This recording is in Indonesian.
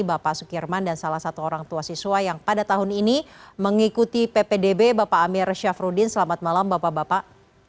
bapak sukirman dan salah satu orang tua siswa yang pada tahun ini mengikuti ppdb bapak amir syafruddin selamat malam bapak bapak